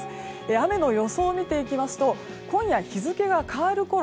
雨の予想を見ていきますと今夜、日付が変わるころ